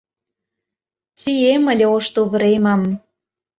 Чием ыле ош тувыремым